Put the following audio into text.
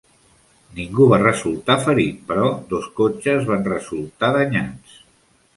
Ningú va resultar ferit, però dos cotxes van resultar danyats.